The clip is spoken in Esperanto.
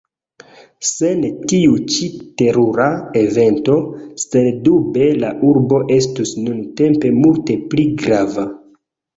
Sen tiu ĉi terura evento, sendube la urbo estus nuntempe multe pli grava.